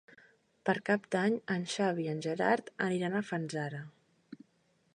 Per Cap d'Any en Xavi i en Gerard aniran a Fanzara.